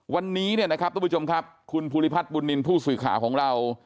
วันนี้เนี่ยนะครับทุกผู้ชมครับคุณภูริพัฒน์บุญนินทร์ผู้สื่อข่าวของเรา